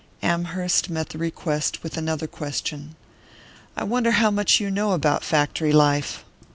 Amherst met the request with another question. "I wonder how much you know about factory life?"